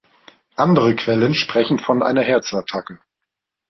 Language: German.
Andere Quellen sprechen von einer Herzattacke.